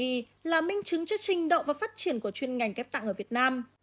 đây là minh chứng trước trình độ và phát triển của chuyên ngành ghép tạng ở việt nam